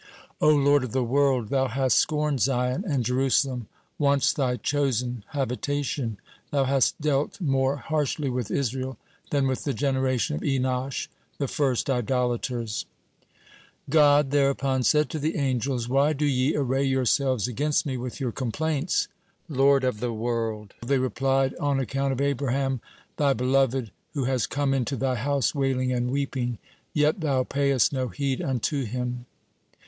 O Lord of the world! Thou hast scorned Zion and Jerusalem, once Thy chosen habitation. Thou hast dealt more harshly with Israel than with the generation of Enosh, the first idolaters." God thereupon said to the angels: "Why do ye array yourselves against Me with your complaints?" "Lord do the world," they replied, "on account of Abraham, Thy beloved, who has come into Thy house wailing and weeping, yet Thou payest no heed unto him."